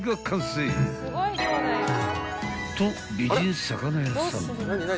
［と美人魚屋さん